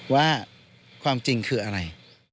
ว่าความจริงคืออะไร